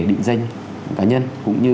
định danh cá nhân cũng như